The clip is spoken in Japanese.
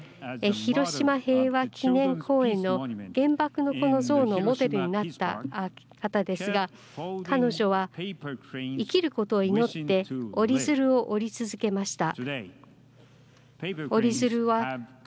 広島平和記念公園の原爆のこの像のモデルになった方ですが彼女が生きることを祈って折り鶴を折り続けました。